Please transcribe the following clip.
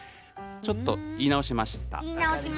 ちょっと言い直しました。